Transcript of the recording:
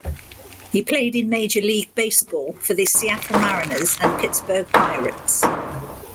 He played in Major League Baseball for the Seattle Mariners and Pittsburgh Pirates.